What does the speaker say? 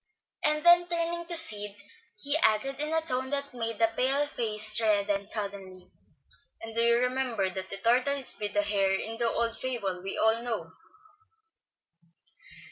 Then turning to Sid he added, in a tone that made the pale face redden suddenly, "And do you remember that the tortoise beat the hare in the old fable we all know."